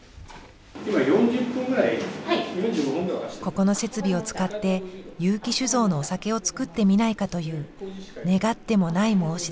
ここの設備を使って結城酒造のお酒を造ってみないかという願ってもない申し出でした。